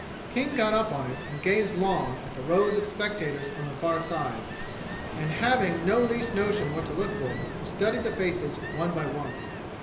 King got up on it and gazed long at the rows of spectators on the far side, and having no least notion what to look for, he studied the faces one by one.